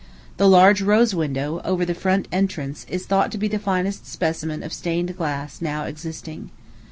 The large rose window, over the front entrance, is thought to be the finest specimen of stained glass now existing.